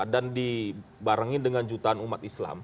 dan dibarengin dengan jutaan umat islam